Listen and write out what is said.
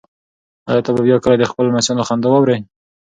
ایا ته به بیا کله د خپلو لمسیانو خندا واورې؟